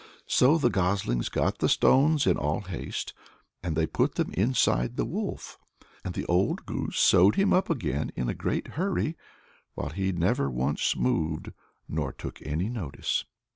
So the goslings got the stones in all haste, and they put them inside the wolf; and the old goose sewed him up again in a great hurry, while he never once moved nor took any notice.